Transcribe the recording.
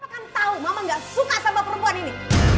kamu kan tau mama gak suka sama perempuan ini